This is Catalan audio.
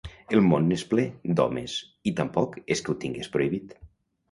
El món n'és ple, d'homes, i tampoc és que ho tingués prohibit.